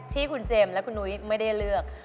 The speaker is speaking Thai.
ที่คุณเจมส์และคุณนุ้ยไม่ได้เลือก